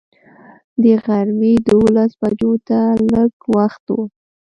د غرمې دولس بجو ته لږ وخت و.